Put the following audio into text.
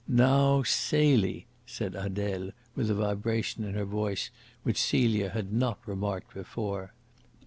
"Now, Celie," said Adele, with a vibration in her voice which Celia had not remarked before.